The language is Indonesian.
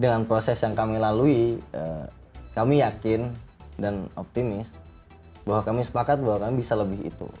dengan proses yang kami lalui kami yakin dan optimis bahwa kami sepakat bahwa kami bisa lebih itu